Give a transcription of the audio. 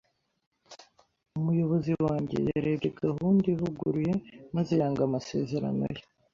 Umuyobozi wanjye yarebye gahunda ivuguruye maze yanga amasezerano ye